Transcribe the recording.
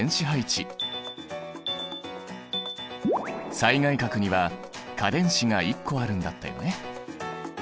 最外殻には価電子が１個あるんだったよね。